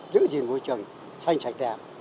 giữ gìn môi trường xanh sạch đẹp